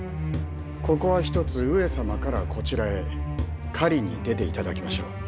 ここはひとつ上様からこちらへ狩りに出て頂きましょう。